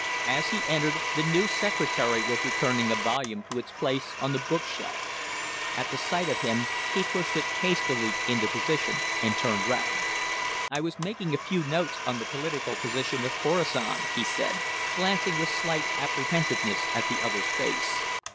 As he entered, the new secretary was returning a volume to its place on the book shelves. At sight of him, he pushed it hastily into position and turned round. "I was making a few notes on the political position of Khorasan," he said, glancing with slight apprehensiveness at the other's face.